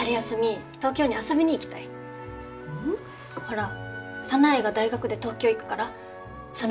ほら早苗が大学で東京行くからその時に。